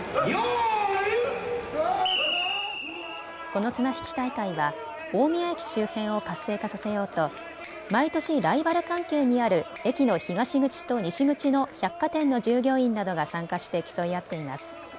この綱引き大会は大宮駅周辺を活性化させようと毎年、ライバル関係にある駅の東口と西口の百貨店の従業員などが参加して競い合っています。